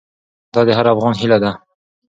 دا د هر افغان هیله ده.